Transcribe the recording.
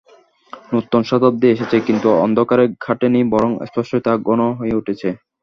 নূতন শতাব্দী এসেছে, কিন্তু অন্ধকার কাটেনি, বরং স্পষ্টই তা ঘন হয়ে উঠছে।